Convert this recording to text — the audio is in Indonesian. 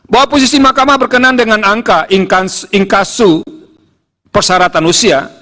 bahwa posisi mahkamah berkenan dengan angka ingkasu persyaratan usia